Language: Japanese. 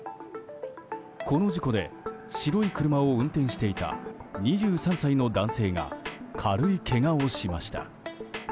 この事故で白い車を運転していた２３歳の男性が軽いけがをしました。